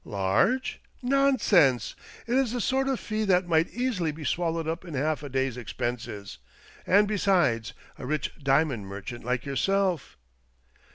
" Large? Nonsense ! It is the sort of fee that might easily be swallowed up in half a day's expenses. And besides — a rich diamond merchant like yourself